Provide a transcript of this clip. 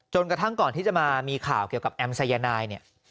กระทั่งก่อนที่จะมามีข่าวเกี่ยวกับแอมสายนายเนี่ย